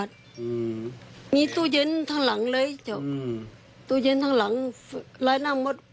ตู้เย็นทางหลังร้านน้ำหมด